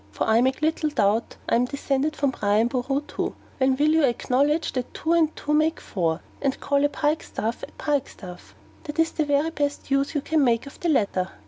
(for I make little doubt I am descended from Brian Boroo too) when will you acknowledge that two and two make four, and call a pikestaff a pikestaff? that is the very best use you can make of the latter.